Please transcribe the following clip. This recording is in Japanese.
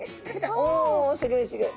おおすギョいすギョい！